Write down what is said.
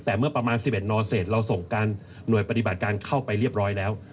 แต่เมื่อประมาณ๑๑นเสร็จเราส่งการหน่วยปฏิบัติการเข้าไปเรียบร้อยแล้ว